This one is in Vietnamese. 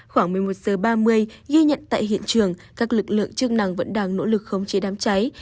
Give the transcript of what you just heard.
khoảng một mươi một h ba mươi ghi nhận tại hiện trường các lực lượng chức năng vẫn đang nỗ lực khống chế đám cháy